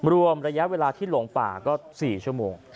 รวมระยะเวลาที่หลงป่าก็๔ชั่วโมง